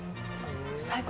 最高！